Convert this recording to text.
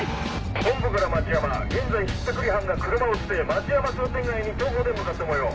本部から町山現在ひったくり犯が車を捨て町山商店街に徒歩で向かったもよう。